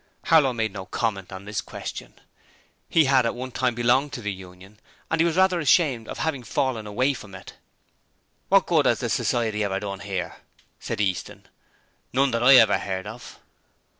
Harlow made no comment on this question. He had at one time belonged to the Union and he was rather ashamed of having fallen away from it. 'Wot good 'as the Society ever done 'ere?' said Easton. 'None that I ever 'eard of.'